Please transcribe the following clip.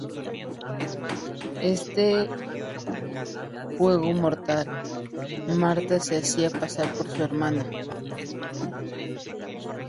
En este juego mortal, Martha se hacía pasar por su hermana.